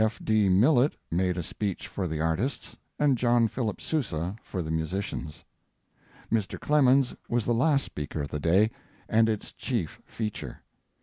F. D. Millet made a speech for the artists, and John Philip Sousa for the musicians. Mr. Clemens was the last speaker of the day, and its chief feature.